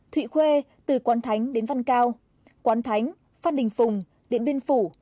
thụy khuê từ quán thánh đến văn cao quán thánh phan đình phùng điện biên phủ